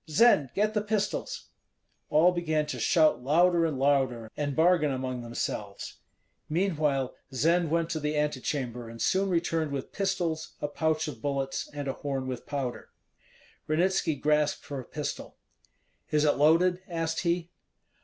Zend, get the pistols!" All began to shout louder and louder, and bargain among themselves; meanwhile Zend went to the antechamber, and soon returned with pistols, a pouch of bullets, and a horn with powder. Ranitski grasped for a pistol. "Is it loaded?" asked he.